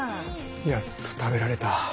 やっと食べられた。